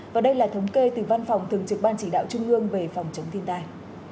và đây là thống kê từ văn phòng thường trực ban chỉ đạo trung ương về phòng chống thiên tai